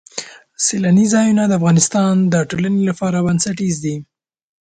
سیلاني ځایونه د افغانستان د ټولنې لپاره بنسټیز دي.